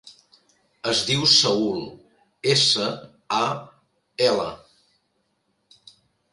Es diu Saül: essa, a, ela.